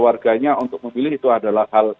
warganya untuk memilih itu adalah hal